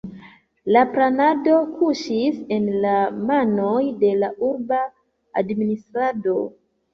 La planado kuŝis en la manoj de la urba administrado.